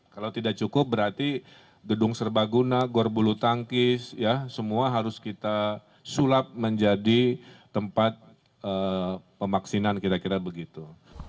kalau tidak cukup berarti gedung serbaguna gorbulu tangkis ya semua harus kita sulap menjadi tempat pemaksinan kira kira begitu